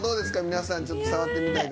皆さんちょっと触ってみたい方。